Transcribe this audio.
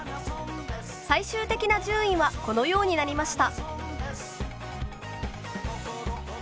最終的な順位はこのようになりました。